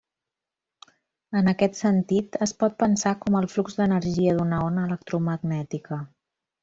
En aquest sentit es pot pensar com el flux d'energia d'una ona electromagnètica.